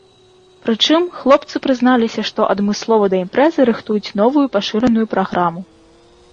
Прычым, хлопцы прызналіся, што адмыслова да імпрэзы рыхтуюць новую пашыраную праграму.